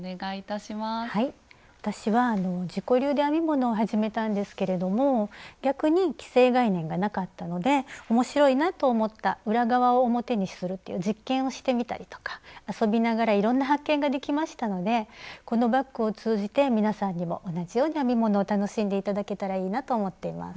私は自己流で編み物を始めたんですけれども逆に既成概念がなかったので面白いなと思った裏側を表にするという実験をしてみたりとか遊びながらいろんな発見ができましたのでこのバッグを通じて皆さんにも同じように編み物を楽しんで頂けたらいいなと思っています。